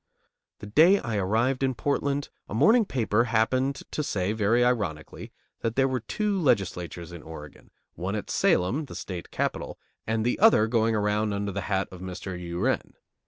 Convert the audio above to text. The day I arrived in Portland, a morning paper happened to say, very ironically, that there were two legislatures in Oregon, one at Salem, the state capital, and the other going around under the hat of Mr. U'Ren.